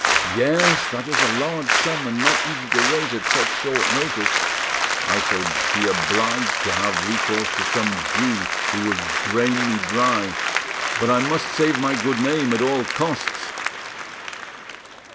"Yes, that is a large sum, and not easy to raise at such short notice." "I shall be obliged to have recourse to some Jew, who will drain me dry. But I must save my good name at all costs."